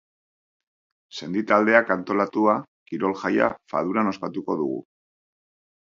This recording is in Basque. Sendi taldeak antolatua, kirol-jaia Faduran ospatuko dugu.